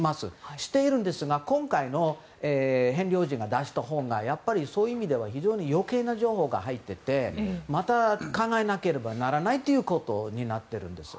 しているんですが今回のヘンリー王子が出した本がそういう意味では非常に余計な情報が入っていてまた考えなければならないということになっているんです。